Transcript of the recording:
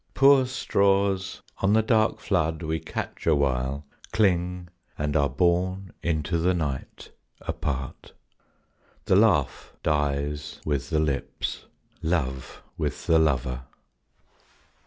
Poor straws! on the dark flood we catch awhile, Cling, and are borne into the night apart. The laugh dies with the lips, 'Love' with the lover.